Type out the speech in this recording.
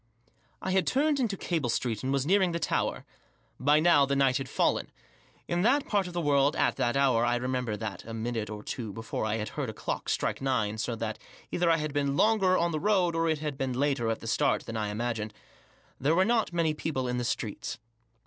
I had turned into Cable Street and was nearing the Tower. By now the night had fallen. In that part of the world, at that hour — I remember that a minute or two before I had heard a clock strike nine, so that either I had been longer on the road, or it had been later at the start, than I imagined — there were not many people in the streets.